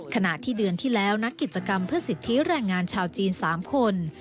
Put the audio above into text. ขณะที่เดือนที่แล้วนักกิจกรรมเพื่อสิทธิแรงงานชาวจีน๓คน